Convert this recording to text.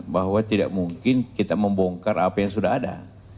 bahwa tidak mungkin kita membongkar apa yang sudah ada